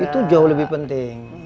itu jauh lebih penting